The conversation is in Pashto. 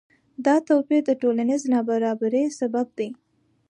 دا توپیر د ټولنیز نابرابری سبب دی.